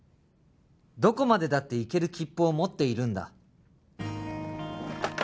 「どこまでだって行ける切符を持っているんだ」